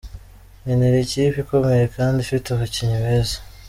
Nkinira ikipe ikomeye kandi ifite abakinnyi beza.